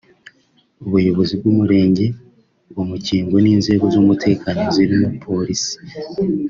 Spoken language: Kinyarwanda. Ubuyobozi bw’umurenge wa Mukingo n’inzego z’umutekano zirimo polisi